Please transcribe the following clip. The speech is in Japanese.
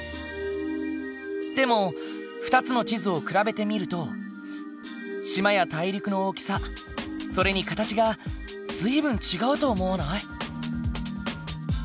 でも２つの地図を比べてみると島や大陸の大きさそれに形が随分違うと思わない？